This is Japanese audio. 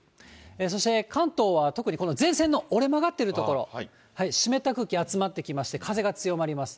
そして関東は、特にこの前線の折れ曲がっている所、湿った空気集まってきまして、風が強まります。